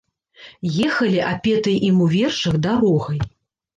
Ехалі апетай ім у вершах дарогай.